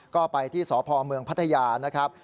ก็ไปที่สพเมืองพัทยานะครับ